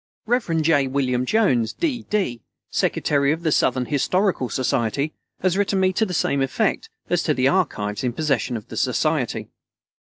Rev. J. William Jones, D. D., Secretary of the Southern Historical Society, has written me to the same effect as to the archives in the possession of the Society.